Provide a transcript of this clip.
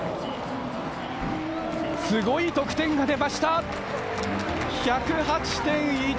すごい得点が出ました！